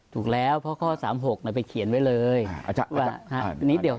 ถูกแล้วเพราะข้อ๓๖ไปเขียนไว้เลย